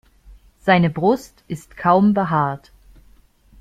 Seine Brust ist kaum behaart.